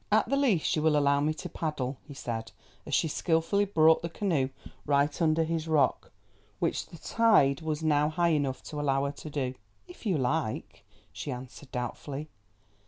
"At the least you will allow me to paddle," he said, as she skilfully brought the canoe right under his rock, which the tide was now high enough to allow her to do. "If you like," she answered doubtfully.